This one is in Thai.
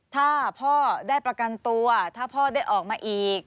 ถ้าพ่อได้ประกันตัวถ้าพ่อได้ออกมาอีก